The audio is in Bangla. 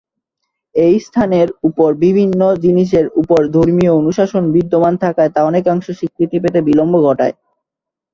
এই স্থানের উপর বিভিন্ন জিনিসের উপর ধর্মীয় অনুশাসন বিদ্যমান থাকায় তা অনেকাংশে স্বীকৃতি পেতে বিলম্ব ঘটায়।